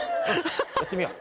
やってみよう。